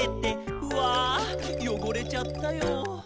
「うぁよごれちゃったよ」